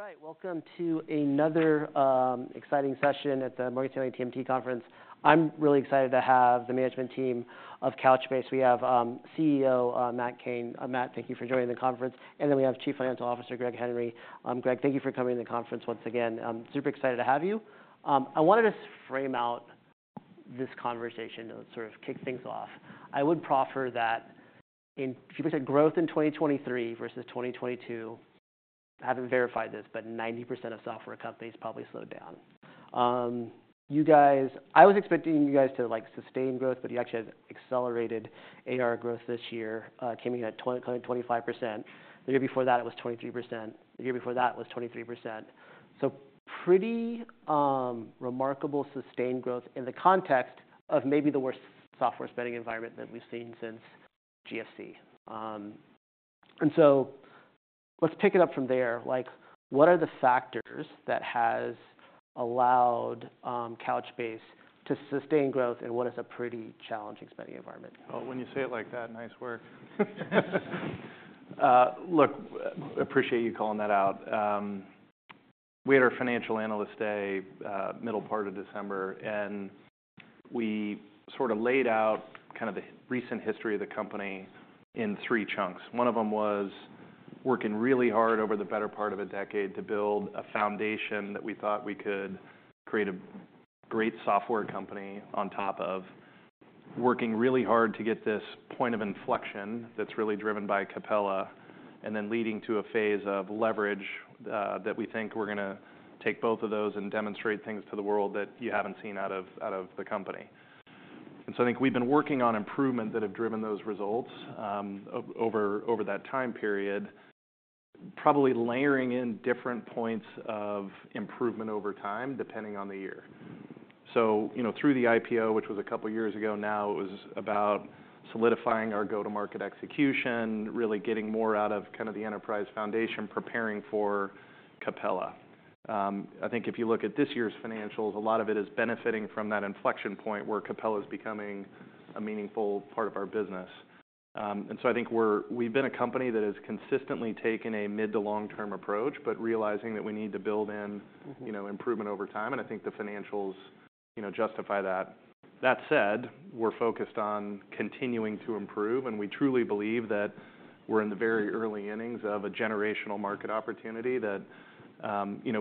All right, welcome to another exciting session at the Morgan Stanley TMT Conference. I'm really excited to have the management team of Couchbase. We have CEO Matt Cain. Matt, thank you for joining the conference. And then we have Chief Financial Officer Greg Henry. Greg, thank you for coming to the conference once again. Super excited to have you. I wanted to frame out this conversation to sort of kick things off. I would proffer that if you looked at growth in 2023 versus 2022, I haven't verified this, but 90% of software companies probably slowed down. You guys, I was expecting you guys to, like, sustain growth, but you actually had accelerated ARR growth this year, came in at 20%-25%. The year before that it was 23%. The year before that it was 23%. So, pretty remarkable sustained growth in the context of maybe the worst software spending environment that we've seen since GFC. So let's pick it up from there. Like, what are the factors that has allowed Couchbase to sustain growth, and what is a pretty challenging spending environment? Oh, when you say it like that, nice work. Look, appreciate you calling that out. We had our Financial Analyst Day, middle part of December, and we sort of laid out kind of the recent history of the company in three chunks. One of them was working really hard over the better part of a decade to build a foundation that we thought we could create a great software company on top of, working really hard to get this point of inflection that's really driven by Capella, and then leading to a phase of leverage, that we think we're going to take both of those and demonstrate things to the world that you haven't seen out of out of the company. So I think we've been working on improvement that have driven those results, over that time period, probably layering in different points of improvement over time depending on the year. So, you know, through the IPO, which was a couple years ago, now it was about solidifying our go-to-market execution, really getting more out of kind of the enterprise foundation, preparing for Capella. I think if you look at this year's financials, a lot of it is benefiting from that inflection point where Capella is becoming a meaningful part of our business. So I think we've been a company that has consistently taken a mid to long-term approach, but realizing that we need to build in, you know, improvement over time, and I think the financials, you know, justify that. That said, we're focused on continuing to improve, and we truly believe that we're in the very early innings of a generational market opportunity, that, you know,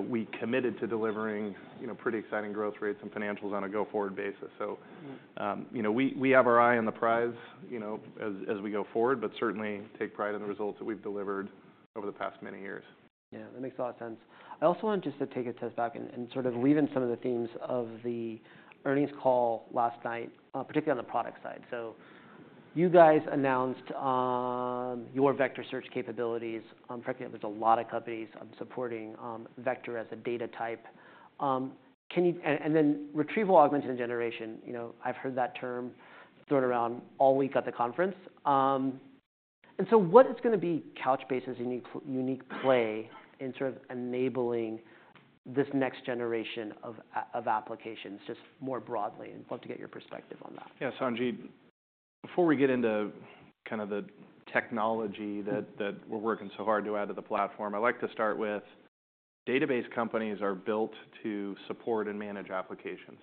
we committed to delivering, you know, pretty exciting growth rates and financials on a go-forward basis. So, you know, we have our eye on the prize, you know, as we go forward, but certainly take pride in the results that we've delivered over the past many years. Yeah, that makes a lot of sense. I also want to just take a step back and sort of weave in some of the themes of the earnings call last night, particularly on the product side. So you guys announced your vector search capabilities. Correct me if I'm wrong, there's a lot of companies supporting vector as a data type. Can you, and then retrieval-augmented generation, you know, I've heard that term thrown around all week at the conference, and so what is going to be Couchbase's unique play in sort of enabling this next generation of applications just more broadly? And I'd love to get your perspective on that. Yeah, Sanjit, before we get into kind of the technology that we're working so hard to add to the platform, I like to start with database companies are built to support and manage applications.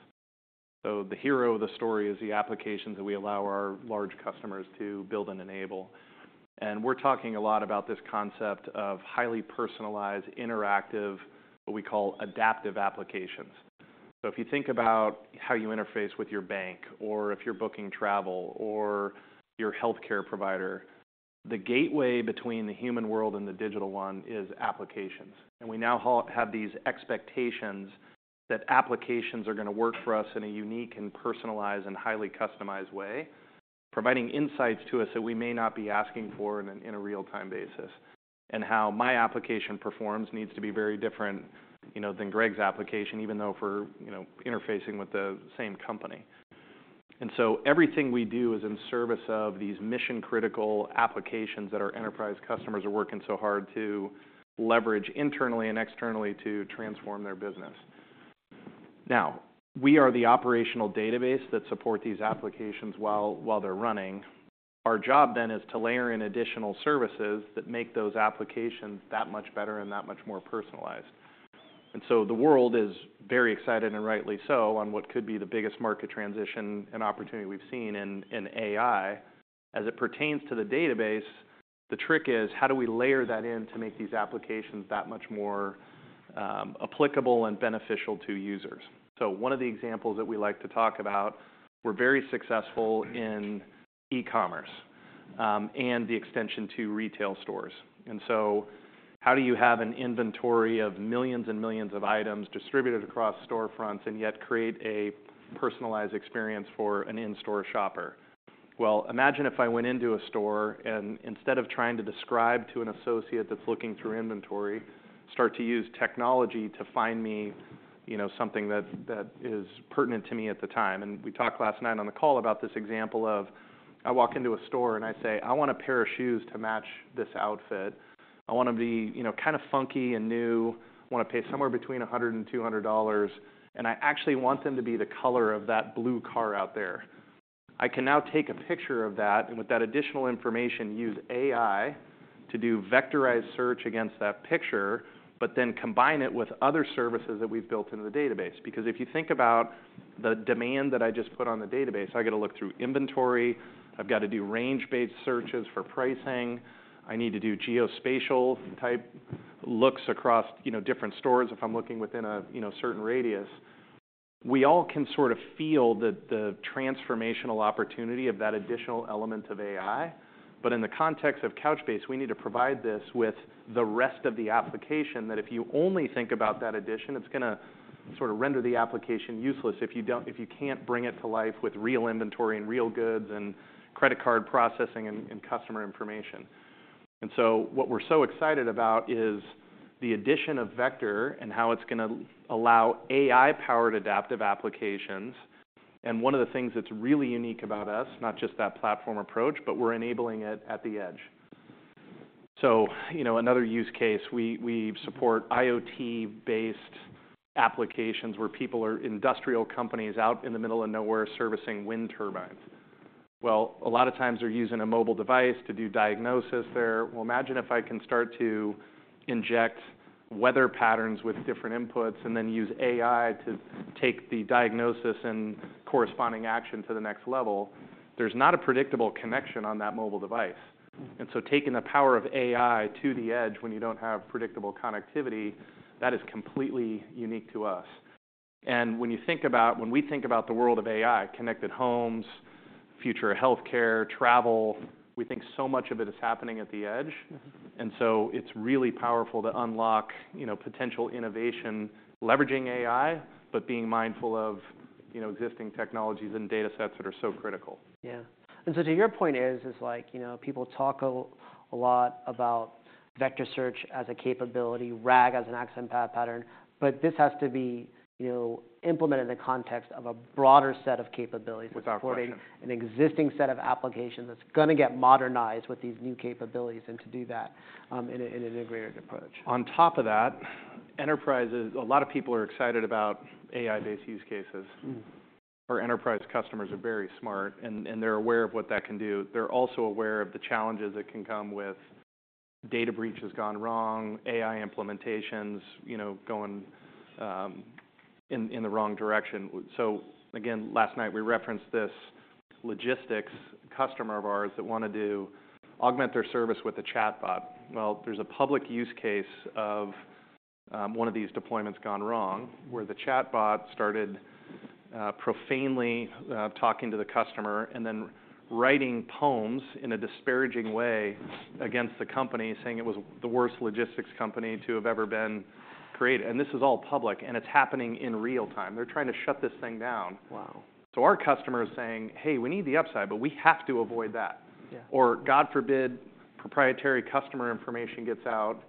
So the hero of the story is the applications that we allow our large customers to build and enable. And we're talking a lot about this concept of highly personalized, interactive, what we call adaptive applications. So if you think about how you interface with your bank, or if you're booking travel, or your health care provider, the gateway between the human world and the digital one is applications. We now all have these expectations that applications are going to work for us in a unique and personalized and highly customized way, providing insights to us that we may not be asking for in a real-time basis, and how my application performs needs to be very different, you know, than Greg's application, even though for, you know, interfacing with the same company. So everything we do is in service of these mission-critical applications that our enterprise customers are working so hard to leverage internally and externally to transform their business. Now, we are the operational database that support these applications while they're running. Our job then is to layer in additional services that make those applications that much better and that much more personalized. And so the world is very excited, and rightly so, on what could be the biggest market transition and opportunity we've seen in AI. As it pertains to the database, the trick is how do we layer that in to make these applications that much more applicable and beneficial to users. So one of the examples that we like to talk about, we're very successful in e-commerce, and the extension to retail stores. And so how do you have an inventory of millions and millions of items distributed across storefronts, and yet create a personalized experience for an in-store shopper? Well, imagine if I went into a store and instead of trying to describe to an associate that's looking through inventory, start to use technology to find me, you know, something that is pertinent to me at the time. And we talked last night on the call about this example of I walk into a store and I say, I want a pair of shoes to match this outfit. I want them to be, you know, kind of funky and new. I want to pay somewhere between $100 and $200. And I actually want them to be the color of that blue car out there. I can now take a picture of that and with that additional information use AI to do vector search against that picture, but then combine it with other services that we've built into the database. Because if you think about the demand that I just put on the database, I got to look through inventory. I've got to do range-based searches for pricing. I need to do geospatial-type looks across, you know, different stores if I'm looking within a, you know, certain radius. We all can sort of feel the transformational opportunity of that additional element of AI. But in the context of Couchbase, we need to provide this with the rest of the application that if you only think about that addition, it's going to sort of render the application useless if you can't bring it to life with real inventory and real goods and credit card processing and customer information. And so what we're so excited about is the addition of vector and how it's going to allow AI-powered adaptive applications. And one of the things that's really unique about us, not just that platform approach, but we're enabling it at the edge. So, you know, another use case, we support IoT-based applications where people are industrial companies out in the middle of nowhere servicing wind turbines. Well, a lot of times they're using a mobile device to do diagnosis there. Well, imagine if I can start to inject weather patterns with different inputs and then use AI to take the diagnosis and corresponding action to the next level. There's not a predictable connection on that mobile device. And so taking the power of AI to the edge when you don't have predictable connectivity, that is completely unique to us. And when we think about the world of AI, connected homes, future health care, travel, we think so much of it is happening at the edge. And so it's really powerful to unlock, you know, potential innovation leveraging AI, but being mindful of, you know, existing technologies and data sets that are so critical. Yeah. And so to your point is like, you know, people talk a lot about Vector Search as a capability, RAG as an agent pattern. But this has to be, you know, implemented in the context of a broader set of capabilities. Without question. That's supporting an existing set of applications that's going to get modernized with these new capabilities and to do that, in an integrated approach. On top of that, enterprises a lot of people are excited about AI-based use cases. Our enterprise customers are very smart, and they're aware of what that can do. They're also aware of the challenges that can come with data breaches gone wrong, AI implementations, you know, going in the wrong direction. So again, last night we referenced this logistics customer of ours that wants to augment their service with a chatbot. Well, there's a public use case of one of these deployments gone wrong where the chatbot started profanely talking to the customer and then writing poems in a disparaging way against the company, saying it was the worst logistics company to have ever been created. And this is all public, and it's happening in real time. They're trying to shut this thing down. Wow. Our customer is saying, hey, we need the upside, but we have to avoid that. Yeah. Or, God forbid, proprietary customer information gets out,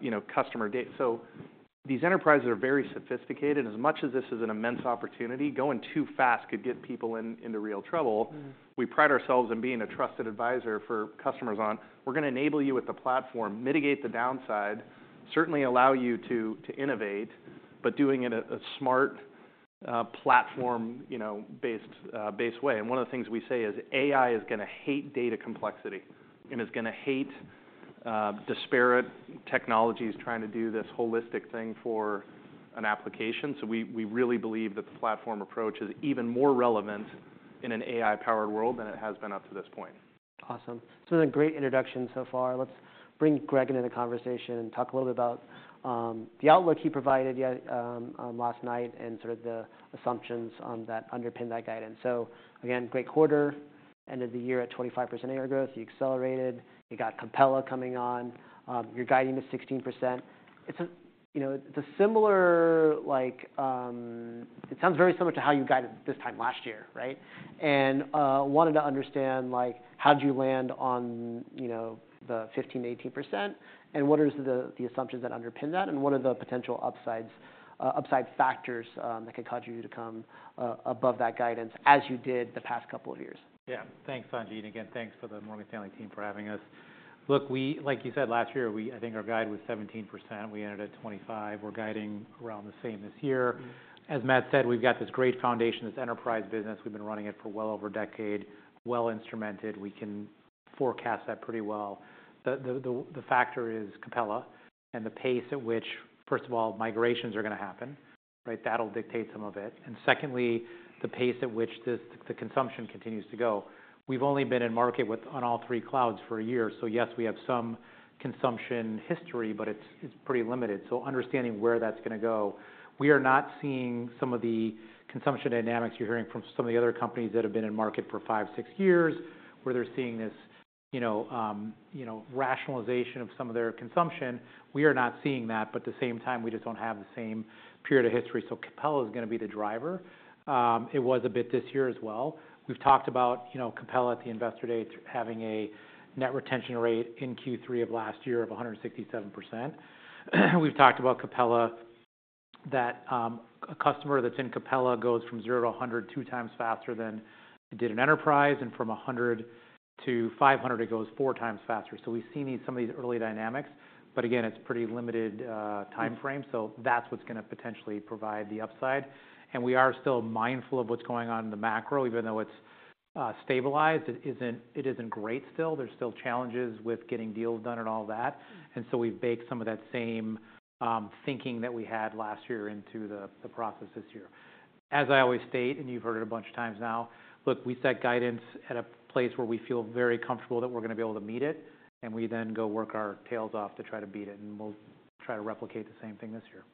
you know, customer data. So these enterprises are very sophisticated. As much as this is an immense opportunity, going too fast could get people into real trouble. We pride ourselves in being a trusted advisor for customers on, we're going to enable you with the platform, mitigate the downside, certainly allow you to innovate, but doing it a smart, platform, you know, based way. One of the things we say is AI is going to hate data complexity and is going to hate disparate technologies trying to do this holistic thing for an application. So we really believe that the platform approach is even more relevant in an AI-powered world than it has been up to this point. Awesome. It's been a great introduction so far. Let's bring Greg into the conversation and talk a little bit about the outlook he provided yet last night and sort of the assumptions that underpin that guidance. So again, great quarter, end of the year at 25% ARR growth. You accelerated. You got Capella coming on. You're guiding to 16%. It's, you know, it's a similar, like it sounds very similar to how you guided this time last year, right? And wanted to understand, like, how did you land on, you know, the 15%-18%, and what are the assumptions that underpin that, and what are the potential upsides, upside factors, that could cause you to come above that guidance as you did the past couple of years? Yeah. Thanks, Sanjit. And again, thanks for the Morgan Stanley team for having us. Look, we, like you said last year, we think our guide was 17%. We ended at 25%. We're guiding around the same this year. As Matt said, we've got this great foundation, this enterprise business. We've been running it for well over a decade, well instrumented. We can forecast that pretty well. The factor is Capella and the pace at which, first of all, migrations are going to happen, right? That'll dictate some of it. And secondly, the pace at which the consumption continues to go. We've only been in market with on all three clouds for a year. So yes, we have some consumption history, but it's pretty limited. So understanding where that's going to go, we are not seeing some of the consumption dynamics you're hearing from some of the other companies that have been in market for five, six years where they're seeing this, you know, you know, rationalization of some of their consumption. We are not seeing that. But at the same time, we just don't have the same period of history. So Capella is going to be the driver. It was a bit this year as well. We've talked about, you know, Capella at the investor day having a net retention rate in Q3 of last year of 167%. We've talked about Capella, that a customer that's in Capella goes from zero to 100 2x faster than it did in enterprise. And from 100 to 500, it goes 4x faster. So we've seen some of these early dynamics. But again, it's pretty limited time frame. So that's what's going to potentially provide the upside. And we are still mindful of what's going on in the macro, even though it's stabilized. It isn't great still. There's still challenges with getting deals done and all that. And so we've baked some of that same thinking that we had last year into the process this year. As I always state, and you've heard it a bunch of times now, look, we set guidance at a place where we feel very comfortable that we're going to be able to meet it. And we then go work our tails off to try to beat it. And we'll try to replicate the same thing this year.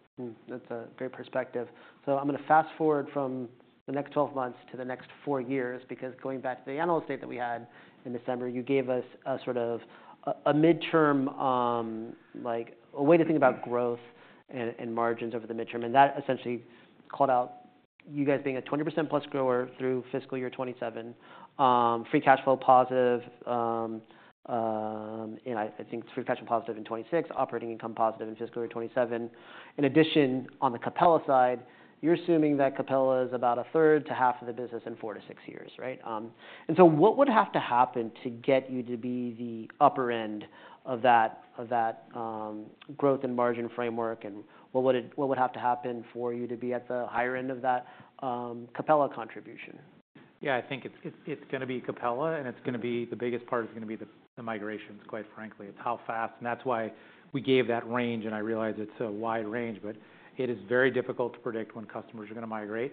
That's a great perspective. So I'm going to fast forward from the next 12 months to the next four years, because going back to the analyst day that we had in December, you gave us a sort of a midterm, like a way to think about growth and margins over the midterm. And that essentially called out you guys being a 20%+ grower through fiscal year 2027, free cash flow positive, and I think free cash flow positive in 2026, operating income positive in fiscal year 2027. In addition, on the Capella side, you're assuming that Capella is about a third to half of the business in four to six years, right? And so what would have to happen to get you to be the upper end of that growth and margin framework? What would have to happen for you to be at the higher end of that, Capella contribution? Yeah. I think it's going to be Capella. And it's going to be the biggest part is going to be the migrations, quite frankly. It's how fast. And that's why we gave that range. And I realize it's a wide range. But it is very difficult to predict when customers are going to migrate.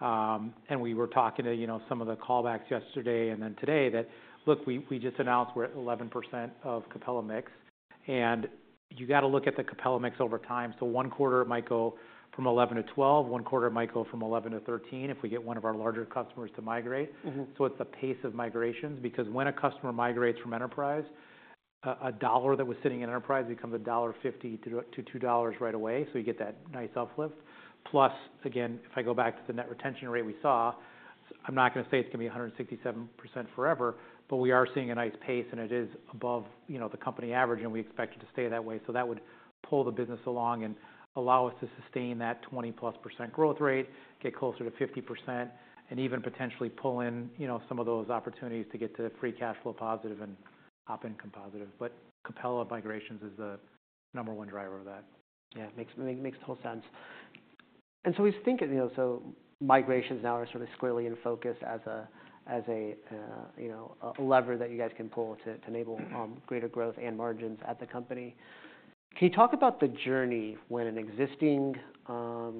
And we were talking to, you know, some of the callbacks yesterday and then today that, look, we just announced we're at 11% of Capella mix. And you got to look at the Capella mix over time. So one quarter it might go from 11%-12%. One quarter it might go from 11%-13% if we get one of our larger customers to migrate. So it's the pace of migrations. Because when a customer migrates from enterprise, a dollar that was sitting in enterprise becomes $1.50-$2 right away. So you get that nice uplift. Plus, again, if I go back to the net retention rate we saw, I'm not going to say it's going to be 167% forever. But we are seeing a nice pace. And it is above, you know, the company average. And we expect it to stay that way. So that would pull the business along and allow us to sustain that 20%+ growth rate, get closer to 50%, and even potentially pull in, you know, some of those opportunities to get to free cash flow positive and op income positive. But Capella migrations is the number one driver of that. Yeah. It makes total sense. So we just think, you know, so migrations now are sort of squarely in focus as a, you know, a lever that you guys can pull to enable greater growth and margins at the company. Can you talk about the journey when an existing, you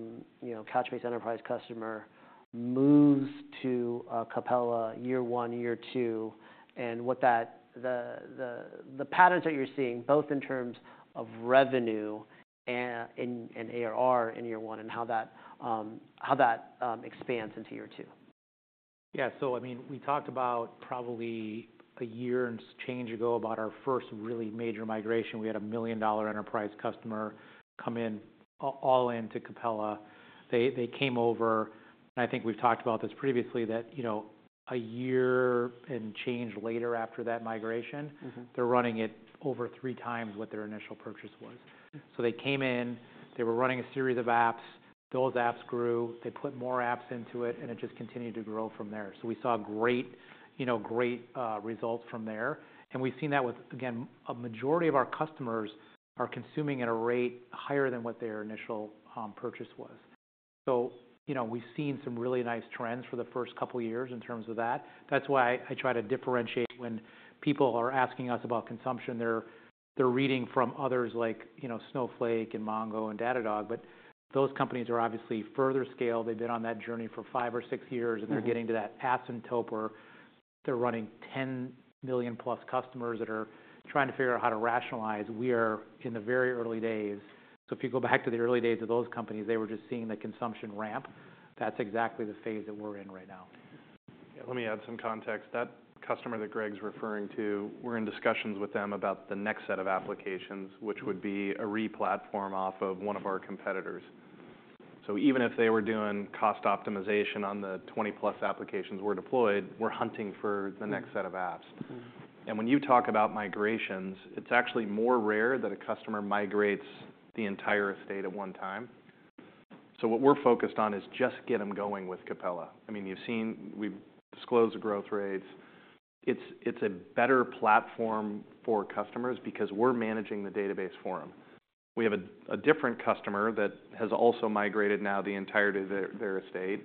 know, Couchbase Enterprise customer moves to Capella year one, year two, and what the patterns that you're seeing, both in terms of revenue and ARR in year one and how that expands into year two? Yeah. So I mean, we talked about probably a year and change ago about our first really major migration. We had a $1 million enterprise customer come in all in to Capella. They came over. And I think we've talked about this previously, that, you know, a year and change later after that migration, they're running it over 3x what their initial purchase was. So they came in. They were running a series of apps. Those apps grew. They put more apps into it. And it just continued to grow from there. So we saw great, you know, great, results from there. And we've seen that with, again, a majority of our customers are consuming at a rate higher than what their initial purchase was. So, you know, we've seen some really nice trends for the first couple of years in terms of that. That's why I try to differentiate when people are asking us about consumption. They're reading from others like, you know, Snowflake and Mongo and Datadog. But those companies are obviously further scaled. They've been on that journey for five or six years. And they're getting to that inflection point. Or they're running 10+ million customers that are trying to figure out how to rationalize. We are in the very early days. So if you go back to the early days of those companies, they were just seeing the consumption ramp. That's exactly the phase that we're in right now. Yeah. Let me add some context. That customer that Greg's referring to, we're in discussions with them about the next set of applications, which would be a replatform off of one of our competitors. So even if they were doing cost optimization on the 20+ applications were deployed, we're hunting for the next set of apps. And when you talk about migrations, it's actually more rare that a customer migrates the entire estate at one time. So what we're focused on is just get them going with Capella. I mean, you've seen we've disclosed the growth rates. It's a better platform for customers because we're managing the database for them. We have a different customer that has also migrated now the entirety of their estate.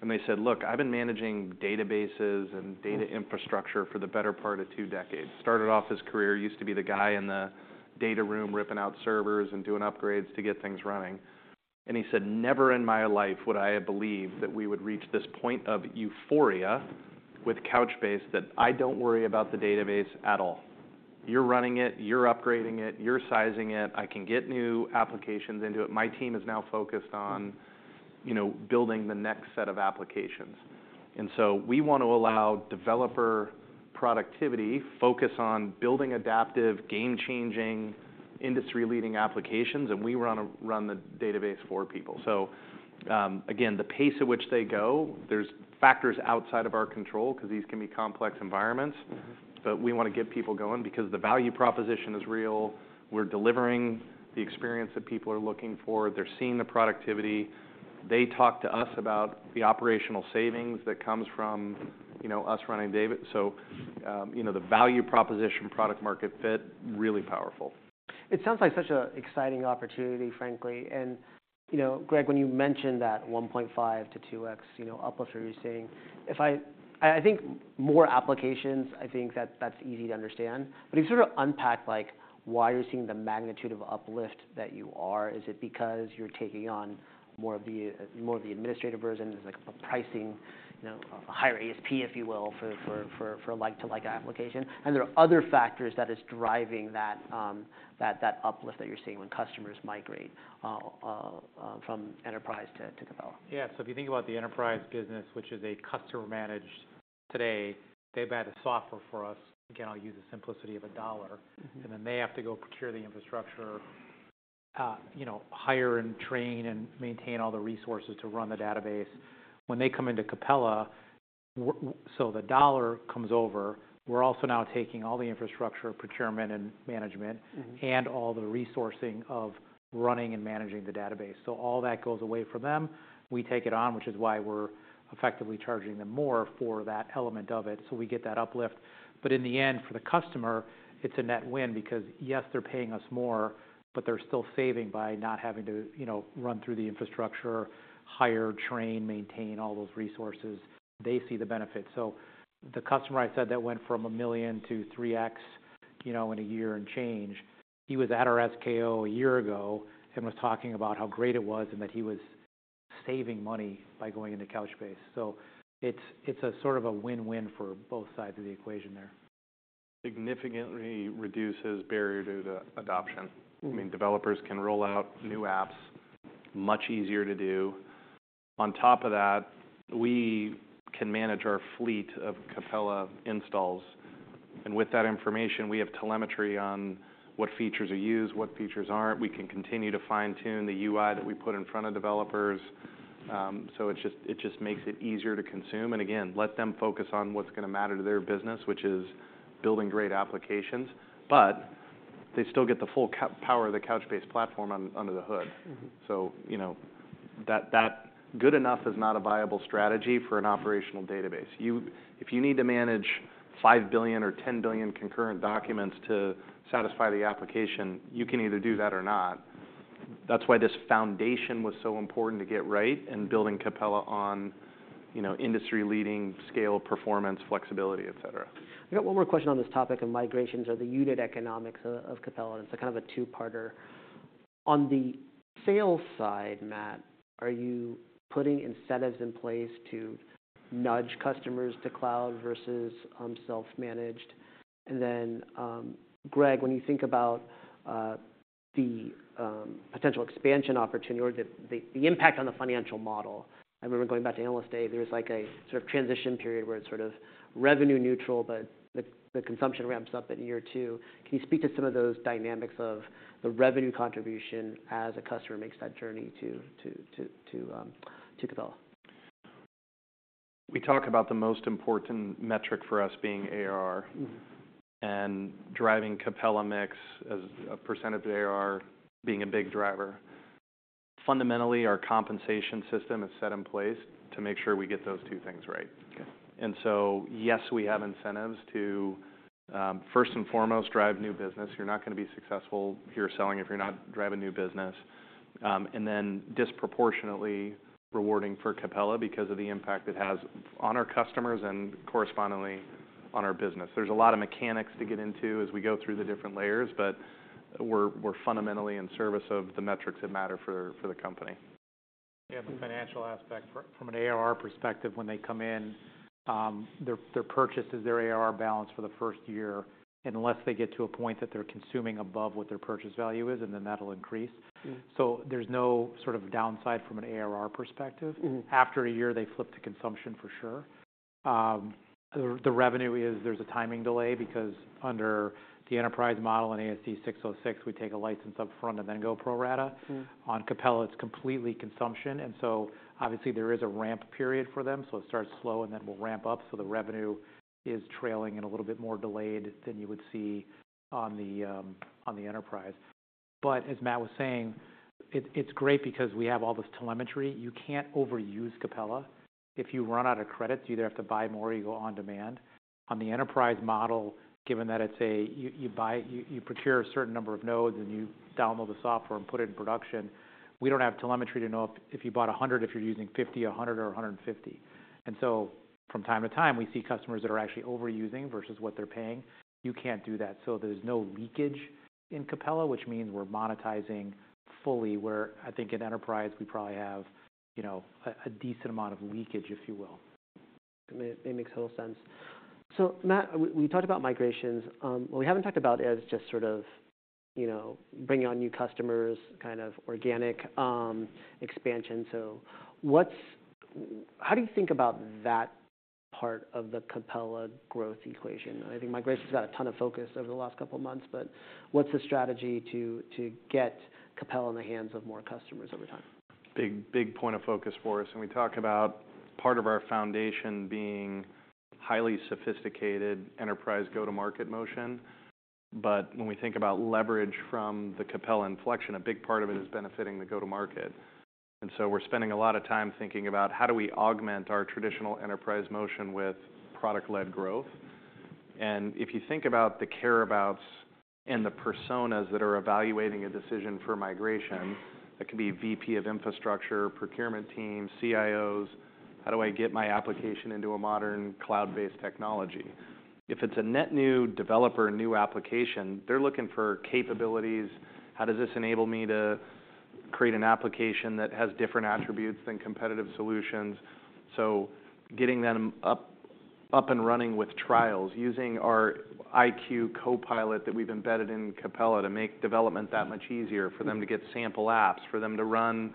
And they said, look, I've been managing databases and data infrastructure for the better part of two decades. Started off his career, used to be the guy in the data room ripping out servers and doing upgrades to get things running. And he said, never in my life would I have believed that we would reach this point of euphoria with Couchbase that I don't worry about the database at all. You're running it. You're upgrading it. You're sizing it. I can get new applications into it. My team is now focused on, you know, building the next set of applications. And so we want to allow developer productivity focus on building adaptive, game-changing, industry-leading applications. And we run the database for people. So, again, the pace at which they go, there's factors outside of our control because these can be complex environments. But we want to get people going because the value proposition is real. We're delivering the experience that people are looking for. They're seeing the productivity. They talk to us about the operational savings that comes from, you know, us running the DB. So, you know, the value proposition, product-market fit, really powerful. It sounds like such an exciting opportunity, frankly. And, you know, Greg, when you mentioned that 1.5x-2x, you know, uplift that you're seeing, if I think more applications, I think that that's easy to understand. But if you sort of unpack, like, why you're seeing the magnitude of uplift that you are, is it because you're taking on more of the administrative version? There's, like, a pricing, you know, a higher ASP, if you will, for a like-to-like application. And there are other factors that are driving that uplift that you're seeing when customers migrate from Enterprise to Capella? Yeah. So if you think about the enterprise business, which is a customer-managed today, they buy the software for us. Again, I'll use the simplicity of a dollar. And then they have to go procure the infrastructure, you know, hire and train and maintain all the resources to run the database. When they come into Capella, we're so the dollar comes over. We're also now taking all the infrastructure, procurement, and management, and all the resourcing of running and managing the database. So all that goes away from them. We take it on, which is why we're effectively charging them more for that element of it. So we get that uplift. But in the end, for the customer, it's a net win because, yes, they're paying us more, but they're still saving by not having to, you know, run through the infrastructure, hire, train, maintain all those resources. They see the benefit. So the customer I said that went from $1 million to 3x, you know, in a year and change, he was at our SKO a year ago and was talking about how great it was and that he was saving money by going into Couchbase. So it's a sort of a win-win for both sides of the equation there. Significantly reduces barrier to adoption. I mean, developers can roll out new apps much easier to do. On top of that, we can manage our fleet of Capella installs. And with that information, we have telemetry on what features are used, what features aren't. We can continue to fine-tune the UI that we put in front of developers, so it just makes it easier to consume. And again, let them focus on what's going to matter to their business, which is building great applications. But they still get the full power of the Couchbase platform under the hood. So, you know, that good enough is not a viable strategy for an operational database. If you need to manage 5 billion or 10 billion concurrent documents to satisfy the application, you can either do that or not. That's why this foundation was so important to get right and building Capella on, you know, industry-leading scale, performance, flexibility, et cetera. I got one more question on this topic of migrations or the unit economics of Capella. And it's a kind of a two-parter. On the sales side, Matt, are you putting incentives in place to nudge customers to cloud versus self-managed? And then, Greg, when you think about the potential expansion opportunity or the impact on the financial model, I remember going back to analyst day, there was like a sort of transition period where it's sort of revenue neutral, but the consumption ramps up in year two. Can you speak to some of those dynamics of the revenue contribution as a customer makes that journey to Capella? We talk about the most important metric for us being ARR and driving Capella mix as a percentage of ARR being a big driver. Fundamentally, our compensation system is set in place to make sure we get those two things right. So, yes, we have incentives to, first and foremost, drive new business. You're not going to be successful here selling if you're not driving new business. And then disproportionately rewarding for Capella because of the impact it has on our customers and correspondingly on our business. There's a lot of mechanics to get into as we go through the different layers. But we're fundamentally in service of the metrics that matter for the company. Yeah. The financial aspect from an ARR perspective, when they come in, their purchase is their ARR balance for the first year unless they get to a point that they're consuming above what their purchase value is. And then that'll increase. So there's no sort of downside from an ARR perspective. After a year, they flip to consumption for sure. The revenue is. There's a timing delay because under the enterprise model in ASC 606, we take a license upfront and then go pro rata. On Capella, it's completely consumption. And so obviously, there is a ramp period for them. So it starts slow. And then we'll ramp up. So the revenue is trailing in a little bit more delayed than you would see on the enterprise. But as Matt was saying, it's great because we have all this telemetry. You can't overuse Capella. If you run out of credit, you either have to buy more or you go on demand. On the enterprise model, given that it's, you buy, you procure a certain number of nodes. You download the software and put it in production. We don't have telemetry to know if you bought 100, if you're using 50, 100, or 150. So from time to time, we see customers that are actually overusing versus what they're paying. You can't do that. So there's no leakage in Capella, which means we're monetizing fully, where I think in enterprise, we probably have, you know, a decent amount of leakage, if you will. It makes total sense. So, Matt, we talked about migrations. What we haven't talked about is just sort of, you know, bringing on new customers, kind of organic expansion. So, what's how do you think about that part of the Capella growth equation? I think migration's got a ton of focus over the last couple of months. But what's the strategy to get Capella in the hands of more customers over time? Big, big point of focus for us. We talk about part of our foundation being highly sophisticated enterprise go-to-market motion. But when we think about leverage from the Capella inflection, a big part of it is benefiting the go-to-market. So we're spending a lot of time thinking about how do we augment our traditional enterprise motion with product-led growth? If you think about the care abouts and the personas that are evaluating a decision for migration, that could be VP of infrastructure, procurement team, CIOs, how do I get my application into a modern cloud-based technology? If it's a net new developer, new application, they're looking for capabilities. How does this enable me to create an application that has different attributes than competitive solutions? So getting them up and running with trials, using our iQ Copilot that we've embedded in Capella to make development that much easier for them to get sample apps, for them to run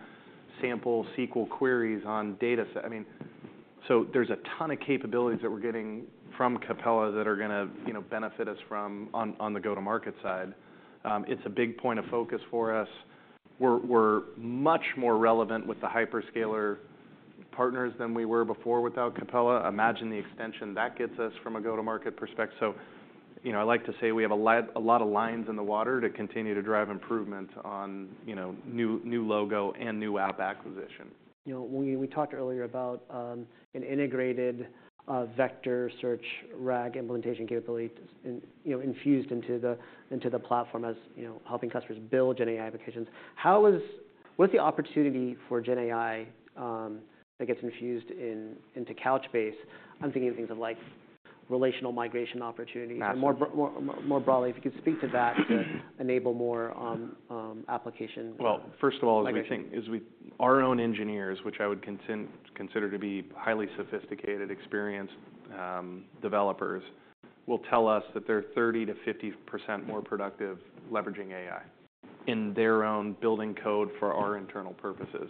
sample SQL queries on data set. I mean, so there's a ton of capabilities that we're getting from Capella that are going to, you know, benefit us from on the go-to-market side. It's a big point of focus for us. We're much more relevant with the hyperscaler partners than we were before without Capella. Imagine the extension that gets us from a go-to-market perspective. So, you know, I like to say we have a lot of lines in the water to continue to drive improvement on, you know, new logo and new app acquisition. You know, we talked earlier about an integrated vector search RAG implementation capability, you know, infused into the platform as, you know, helping customers build GenAI applications. How is what's the opportunity for GenAI that gets infused into Couchbase? I'm thinking of things like relational migration opportunities. And more broadly, if you could speak to that to enable more applications. Well, first of all, our own engineers, which I would consider to be highly sophisticated, experienced developers, will tell us that they're 30%-50% more productive leveraging AI in their own building code for our internal purposes.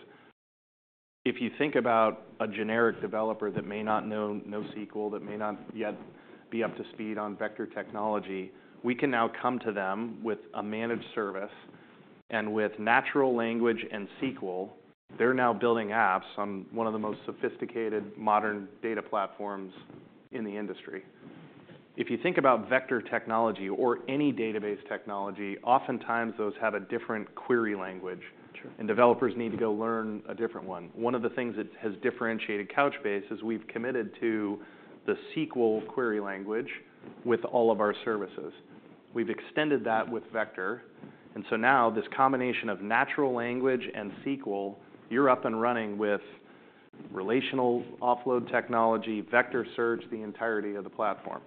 If you think about a generic developer that may not know SQL, that may not yet be up to speed on vector technology, we can now come to them with a managed service. With natural language and SQL, they're now building apps on one of the most sophisticated, modern data platforms in the industry. If you think about vector technology or any database technology, oftentimes, those have a different query language. Developers need to go learn a different one. One of the things that has differentiated Couchbase is we've committed to the SQL query language with all of our services. We've extended that with vector. And so now, this combination of natural language and SQL, you're up and running with relational offload technology, vector search, the entirety of the platform.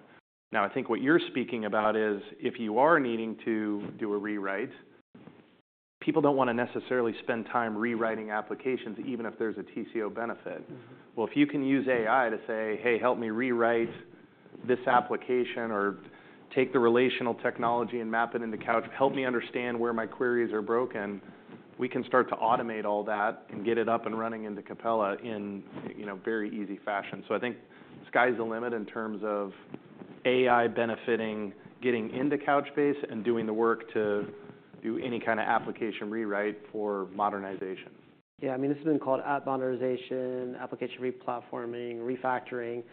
Now, I think what you're speaking about is, if you are needing to do a rewrite, people don't want to necessarily spend time rewriting applications, even if there's a TCO benefit. Well, if you can use AI to say, "hey, help me rewrite this application," or take the relational technology and map it into Couch, "Help me understand where my queries are broken," we can start to automate all that and get it up and running into Capella in, you know, very easy fashion. So I think sky's the limit in terms of AI benefiting, getting into Couchbase, and doing the work to do any kind of application rewrite for modernization. Yeah. I mean, this has been called app modernization, application replatforming, refactoring.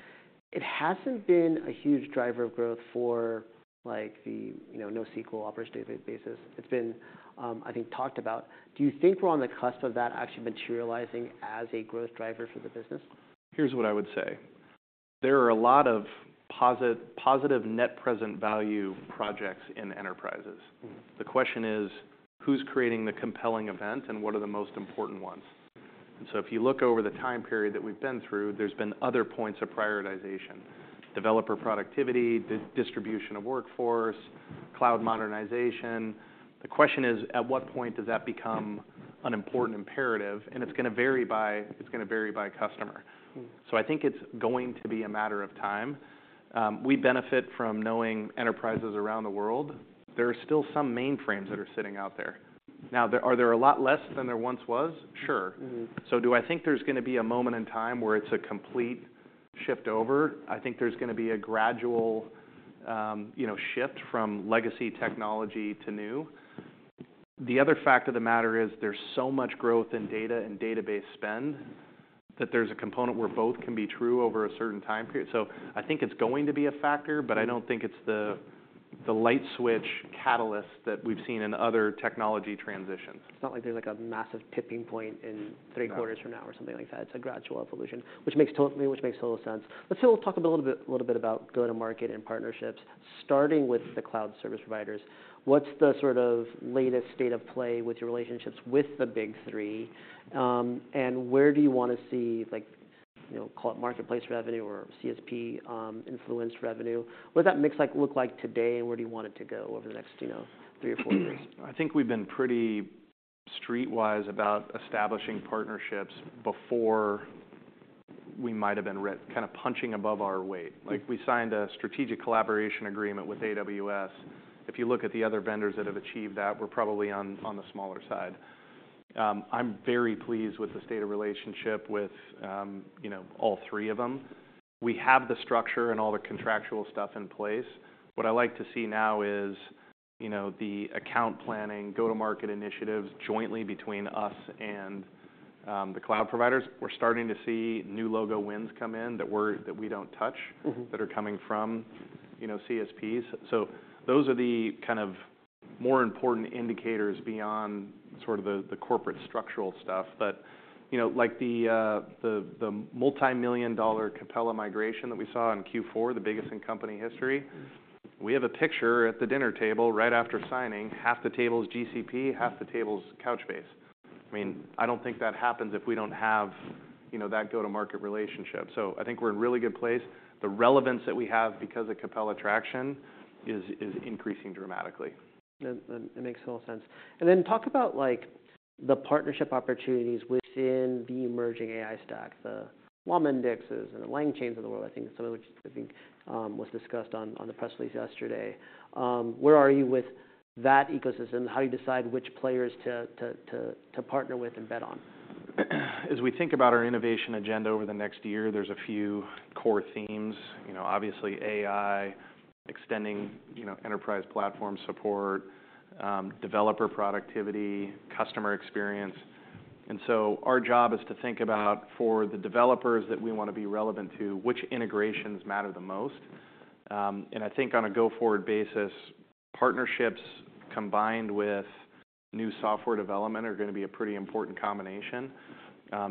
It hasn't been a huge driver of growth for, like, the, you know, NoSQL operational databases. It's been, I think, talked about. Do you think we're on the cusp of that actually materializing as a growth driver for the business? Here's what I would say. There are a lot of positive net present value projects in enterprises. The question is, who's creating the compelling event? And what are the most important ones? And so if you look over the time period that we've been through, there's been other points of prioritization: developer productivity, distribution of workforce, cloud modernization. The question is, at what point does that become an important imperative? And it's going to vary by customer. So I think it's going to be a matter of time. We benefit from knowing enterprises around the world. There are still some mainframes that are sitting out there. Now, are there a lot less than there once was? Sure. So do I think there's going to be a moment in time where it's a complete shift over? I think there's going to be a gradual, you know, shift from legacy technology to new. The other fact of the matter is, there's so much growth in data and database spend that there's a component where both can be true over a certain time period. So I think it's going to be a factor. But I don't think it's the light switch catalyst that we've seen in other technology transitions. It's not like there's, like, a massive tipping point in three quarters from now or something like that. It's a gradual evolution, which makes total sense. Let's still talk a little bit about go-to-market and partnerships, starting with the cloud service providers. What's the sort of latest state of play with your relationships with the big three? And where do you want to see, like, you know, call it marketplace revenue or CSP-influenced revenue? What does that mix like look like today? And where do you want it to go over the next, you know, three or four years? I think we've been pretty streetwise about establishing partnerships before we might have been kind of punching above our weight. Like, we signed a strategic collaboration agreement with AWS. If you look at the other vendors that have achieved that, we're probably on the smaller side. I'm very pleased with the state of relationship with, you know, all three of them. We have the structure and all the contractual stuff in place. What I like to see now is, you know, the account planning, go-to-market initiatives jointly between us and the cloud providers. We're starting to see new logo wins come in that we don't touch that are coming from, you know, CSPs. So those are the kind of more important indicators beyond sort of the corporate structural stuff. But, you know, like the multimillion-dollar Capella migration that we saw in Q4, the biggest in company history, we have a picture at the dinner table right after signing, half the table's GCP, half the table's Couchbase. I mean, I don't think that happens if we don't have, you know, that go-to-market relationship. So I think we're in a really good place. The relevance that we have because of Capella traction is increasing dramatically. It makes total sense. And then talk about, like, the partnership opportunities within the emerging AI stack, the LlamaIndex and the LangChain of the world, I think some of which, I think, was discussed on the press release yesterday. Where are you with that ecosystem? How do you decide which players to partner with and bet on? As we think about our innovation agenda over the next year, there's a few core themes, you know, obviously, AI, extending, you know, enterprise platform support, developer productivity, customer experience. And so our job is to think about, for the developers that we want to be relevant to, which integrations matter the most. And I think on a go-forward basis, partnerships combined with new software development are going to be a pretty important combination.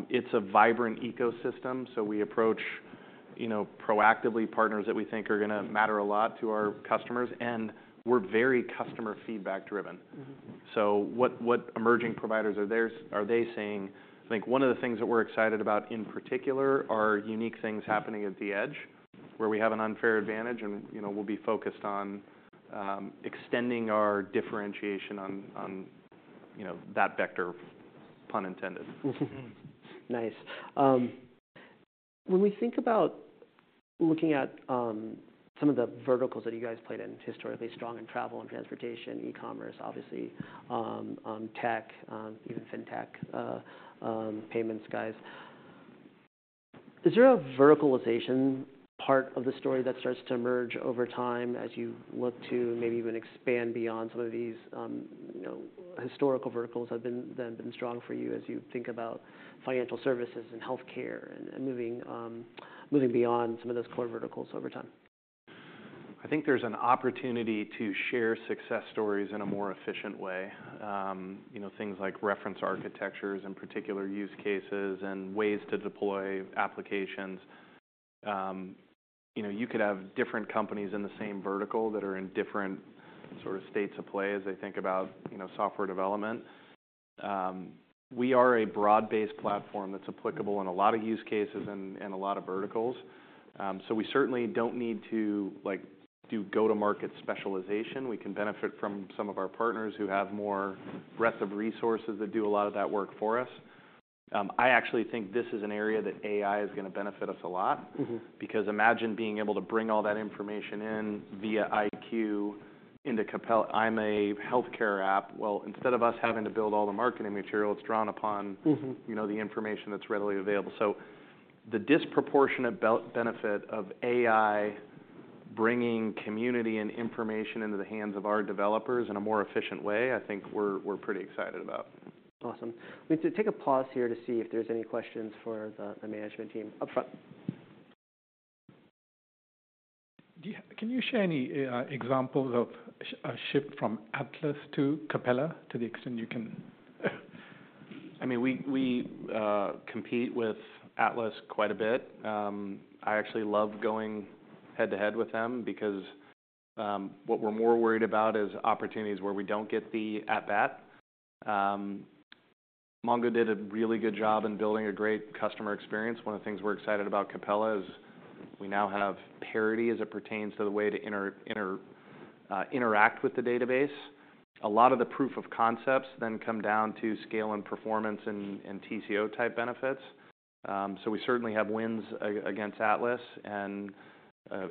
It's a vibrant ecosystem. So we approach, you know, proactively partners that we think are going to matter a lot to our customers. And we're very customer feedback driven. So what emerging providers are there? Are they saying? I think one of the things that we're excited about in particular are unique things happening at the edge, where we have an unfair advantage. You know, we'll be focused on extending our differentiation on, you know, that vector, pun intended. Nice. When we think about looking at some of the verticals that you guys played in historically, strong in travel and transportation, e-commerce, obviously, tech, even fintech, payments guys, is there a verticalization part of the story that starts to emerge over time as you look to maybe even expand beyond some of these, you know, historical verticals that have been strong for you as you think about financial services and health care and moving beyond some of those core verticals over time? I think there's an opportunity to share success stories in a more efficient way, you know, things like reference architectures and particular use cases and ways to deploy applications. You know, you could have different companies in the same vertical that are in different sort of states of play as they think about, you know, software development. We are a broad-based platform that's applicable in a lot of use cases and and a lot of verticals. So we certainly don't need to, like, do go-to-market specialization. We can benefit from some of our partners who have more breadth of resources that do a lot of that work for us. I actually think this is an area that AI is going to benefit us a lot. Because imagine being able to bring all that information in via iQ into Capella. I'm a health care app. Well, instead of us having to build all the marketing material, it's drawn upon, you know, the information that's readily available. So the disproportionate benefit of AI bringing community and information into the hands of our developers in a more efficient way, I think we're pretty excited about. Awesome. I'm going to take a pause here to see if there's any questions for the management team up front. Can you share any examples of a shift from Atlas to Capella to the extent you can? I mean, we compete with Atlas quite a bit. I actually love going head to head with them. Because, what we're more worried about is opportunities where we don't get the at-bat. Mongo did a really good job in building a great customer experience. One of the things we're excited about Capella is, we now have parity as it pertains to the way to interact with the database. A lot of the proof of concepts then come down to scale and performance and TCO type benefits. So we certainly have wins against Atlas and,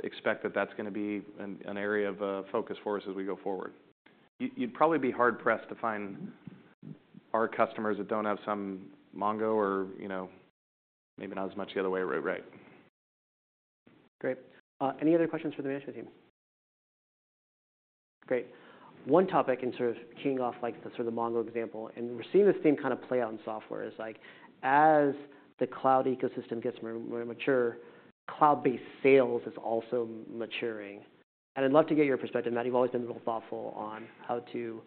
expect that that's going to be an area of focus for us as we go forward. You'd probably be hard-pressed to find our customers that don't have some Mongo or, you know, maybe not as much the other way around, right? Great. Any other questions for the management team? Great. One topic, and sort of keying off, like, the sort of the Mongo example and we're seeing this theme kind of play out in software is, like, as the cloud ecosystem gets more mature, cloud-based sales is also maturing. And I'd love to get your perspective, Matt. You've always been real thoughtful on how to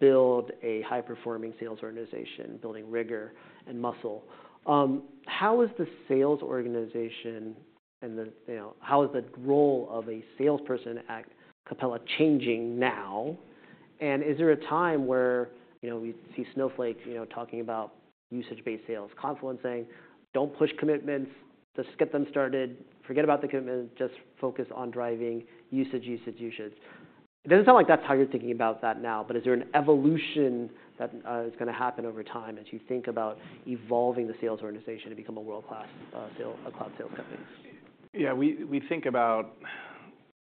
build a high-performing sales organization, building rigor and muscle. How is the sales organization and the, you know, how is the role of a salesperson at Capella changing now? And is there a time where, you know, we see Snowflake, you know, talking about usage-based sales, Confluent saying, "don't push commitments. Just get them started. Forget about the commitments. Just focus on driving usage, usage, usage." It doesn't sound like that's how you're thinking about that now. But is there an evolution that is going to happen over time as you think about evolving the sales organization to become a world-class cloud sales company? Yeah. We think about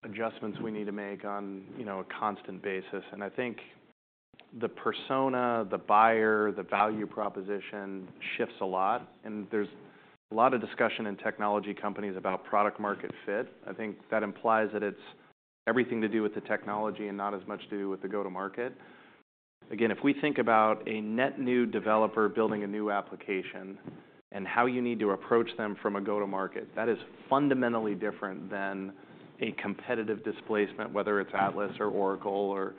adjustments we need to make on, you know, a constant basis. And I think the persona, the buyer, the value proposition shifts a lot. And there's a lot of discussion in technology companies about product-market fit. I think that implies that it's everything to do with the technology and not as much to do with the go-to-market. Again, if we think about a net new developer building a new application and how you need to approach them from a go-to-market, that is fundamentally different than a competitive displacement, whether it's Atlas or Oracle or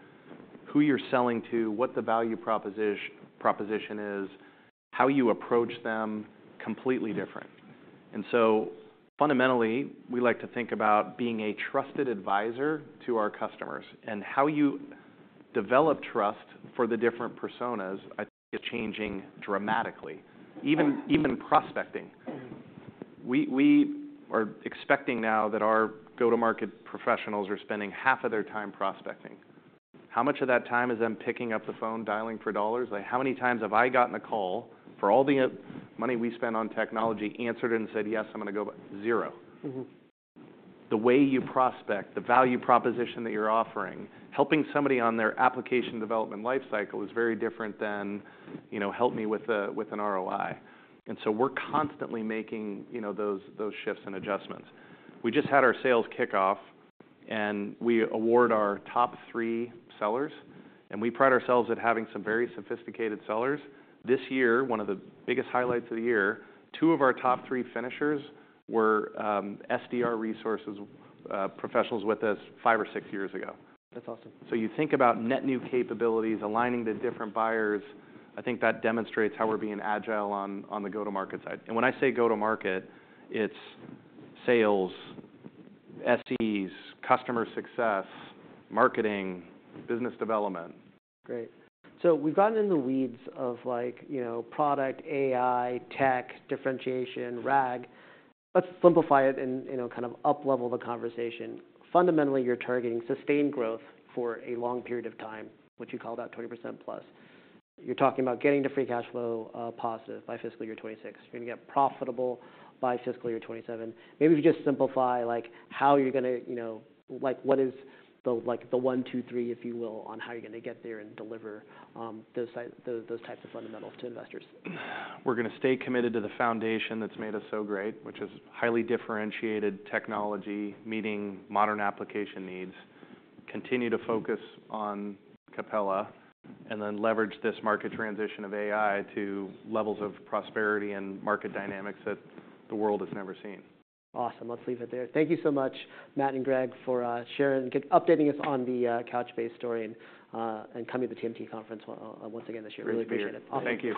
who you're selling to, what the value proposition is, how you approach them, completely different. And so fundamentally, we like to think about being a trusted advisor to our customers. And how you develop trust for the different personas, I think, is changing dramatically, even prospecting. We are expecting now that our go-to-market professionals are spending half of their time prospecting. How much of that time is them picking up the phone, dialing for dollars? Like, how many times have I gotten a call for all the money we spend on technology answered and said, "yes, I'm going to go"? Zero. The way you prospect, the value proposition that you're offering, helping somebody on their application development lifecycle is very different than, you know, "help me with an ROI." And so we're constantly making, you know, those shifts and adjustments. We just had our sales kickoff. And we award our top three sellers. And we pride ourselves at having some very sophisticated sellers. This year, one of the biggest highlights of the year, two of our top three finishers were, SDR resources, professionals with us five or six years ago. That's awesome. So you think about net new capabilities, aligning the different buyers. I think that demonstrates how we're being agile on the go-to-market side. And when I say go-to-market, it's sales, SEs, customer success, marketing, business development. Great. So we've gotten in the weeds of, like, you know, product, AI, tech, differentiation, RAG. Let's simplify it and, you know, kind of uplevel the conversation. Fundamentally, you're targeting sustained growth for a long period of time, what you called out 20%+. You're talking about getting to free cash flow positive by fiscal year 2026. You're going to get profitable by fiscal year 2027. Maybe if you just simplify, like, how you're going to, you know, like, what is the, like, the one, two, three, if you will, on how you're going to get there and deliver those types of fundamentals to investors. We're going to stay committed to the foundation that's made us so great, which is highly differentiated technology meeting modern application needs, continue to focus on Capella, and then leverage this market transition of AI to levels of prosperity and market dynamics that the world has never seen. Awesome. Let's leave it there. Thank you so much, Matt and Greg, for sharing and updating us on the Couchbase story and coming to the TMT conference once again this year. Really appreciate it. Thank you.